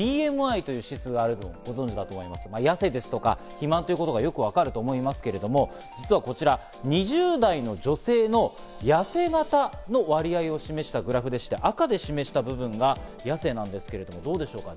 ＢＭＩという指数があるんですけど、痩せですとか、肥満ということがよくわかると思いますけど、実はこちら２０代の女性の痩せ型の割合を示したグラフでして、赤で示した部分が痩せなんですけどどうでしょうか。